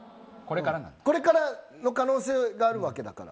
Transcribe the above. これからの可能性があるわけだから。